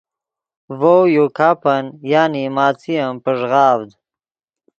ڤؤ یو گپن (ماݯین) پݱغاڤد